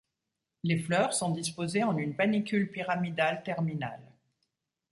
Les fleurs sont disposées en une panicule pyramidale terminale.